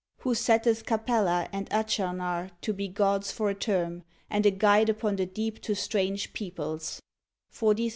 Who setteth Capella and Achernar to be gods for a term, and a guide upon the deep to strange peoples ; 43.